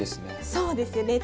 そうですよね。